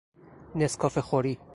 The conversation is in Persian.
نسکافه خوری